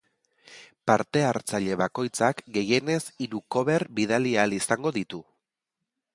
Parte-hartzaile bakoitzak gehienez hiru cover bidali ahal izango ditu.